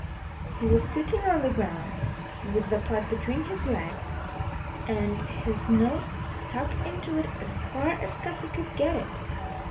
He was sitting on the ground, with the pot between his legs, and his nose stuck into it as far as Cuffy could get it.